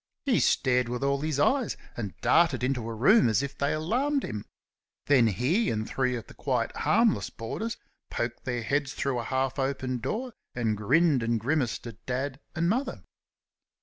He stared with all his eyes, and darted into a room as if they alarmed him. Then he and three of the quiet, harmless boarders poked their heads through a half open door and grinned and grimaced at Dad and Mother.